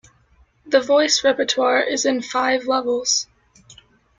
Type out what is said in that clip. The voice repertoire is in five Levels.